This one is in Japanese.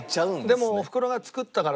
でも。